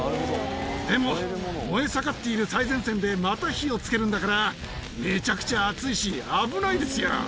でも、燃え盛っている最前線で、また火をつけるんだから、めちゃくちゃ熱いし、危ないですよ。